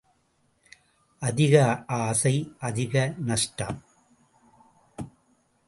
அதிக ஆசை அதிக நஷ்டம்.